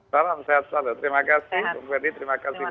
salam sehat selalu terima kasih bu ferdie terima kasih bu nadia